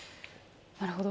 なるほど。